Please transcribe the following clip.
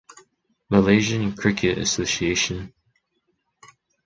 Malaysian Cricket Association.